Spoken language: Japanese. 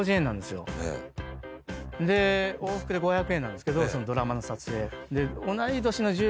で往復で５００円なんですけどそのドラマの撮影。